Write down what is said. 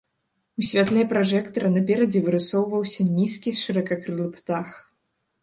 У святле пражэктара наперадзе вырысоўваўся нізкі, шыракакрылы птах.